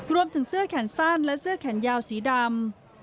เสื้อแขนสั้นและเสื้อแขนยาวสีดำ